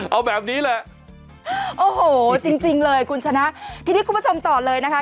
เอาแบบนี้แหละโอ้โหจริงจริงเลยคุณชนะทีนี้คุณผู้ชมต่อเลยนะคะ